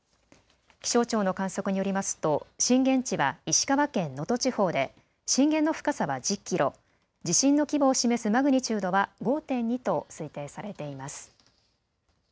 気象庁の観測によりますと震源地は石川県能登地方で震源の深さは１０キロ、地震の規模を示すマグニチュードは５．２と推定されています。